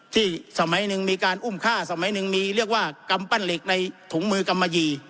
สมัยหนึ่งมีการอุ้มฆ่าสมัยหนึ่งมีเรียกว่ากำปั้นเหล็กในถุงมือกำมะยี